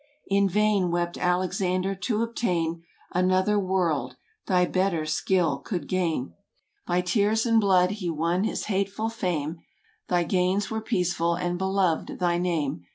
In vain wept Alexander to obtain Another world,—thy better skill could gain. 94 PORTUGAL. By tears and blood he won his hateful fame, Thy gains were peaceful, and beloved thy name.